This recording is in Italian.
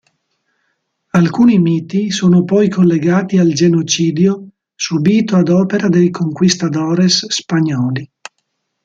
Alcuni miti sono poi collegati al genocidio subito ad opera dei conquistadores spagnoli.